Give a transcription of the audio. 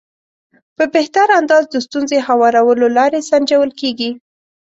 په بهتر انداز د ستونزې هوارولو لارې سنجول کېږي.